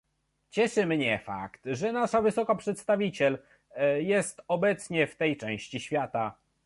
Cieszy mnie fakt, że nasza wysoka przedstawiciel jest obecnie w tej części świata